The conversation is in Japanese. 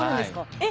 えっ！